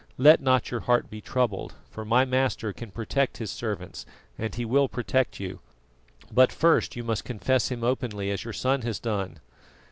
"'Let not your heart be troubled,' for my Master can protect His servants, and He will protect you. But first you must confess Him openly, as your son has done."